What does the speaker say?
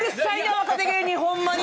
若手芸人ホンマに。